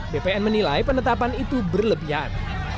bpn menilai penetapan itu berlebihan